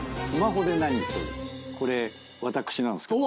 これ私なんすけども。